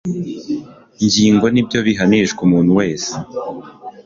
ngingo ni byo bihanishwa umuntu wese